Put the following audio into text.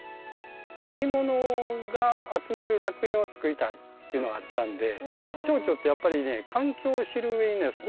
いきものが集まる楽園を作りたいっていうのがあったんでチョウチョってやっぱりね環境を知るうえにね